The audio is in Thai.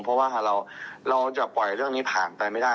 เพราะว่าเราจะปล่อยเรื่องนี้ผ่านไปไม่ได้